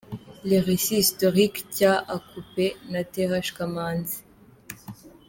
Les Recits Historiques cya A Coupez na Th Kamanzi.